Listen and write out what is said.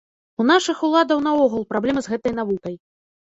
У нашых уладаў наогул праблемы з гэтай навукай.